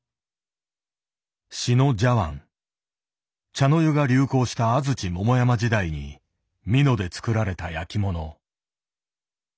茶の湯が流行した安土桃山時代に美濃で作られた焼きもの。